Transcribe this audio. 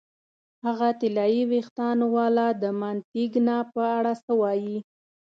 هغه طلايي وېښتانو والا، د مانتیګنا په اړه څه وایې؟